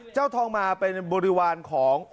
เจ้าทองมาเป็นบริวารของ